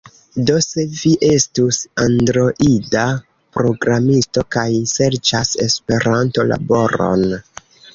Do, se vi estus Androida programisto kaj serĉas Esperanto-laboron